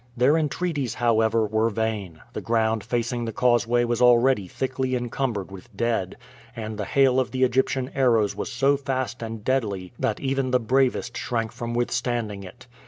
Their entreaties, however, were vain; the ground facing the causeway was already thickly incumbered with dead, and the hail of the Egyptian arrows was so fast and deadly that even the bravest shrank from withstanding it.